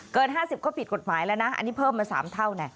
๕๐ก็ผิดกฎหมายแล้วนะอันนี้เพิ่มมา๓เท่านะ